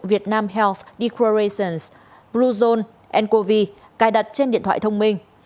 việt nam health declarations blue zone covid cài đặt trên điện thoại thông minh